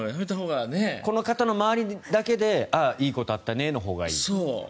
この方の周りだけでいいことあったねのほうがいい。